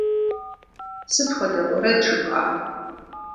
Сыт хуэдэ уэрэд жыпӀар?